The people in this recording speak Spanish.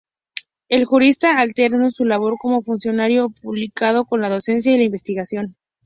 El jurista alternó su labor como funcionario público con la docencia y la investigación.